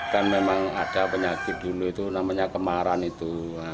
kan memang ada penyakit dulu itu namanya kemaran itu